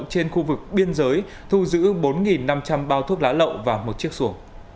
trên khu vực biên giới thu giữ bốn năm trăm linh bao thuốc lá lậu và một chiếc xuồng